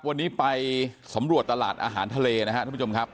วันนี้ไปสำรวจตลาดอาหารทะเลนะฮะเดี๋ยวพูดชอบครับ